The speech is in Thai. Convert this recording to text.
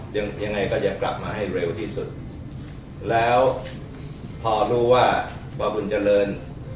ยังไงก็จะกลับมาให้เร็วที่สุดแล้วพอรู้ว่าบ่อบุญเจริญ